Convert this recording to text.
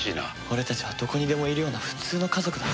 俺たちはどこにでもいるような普通の家族だ。